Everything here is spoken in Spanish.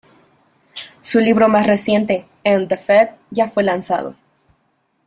Su libro más reciente, "End the Fed", ya fue lanzado.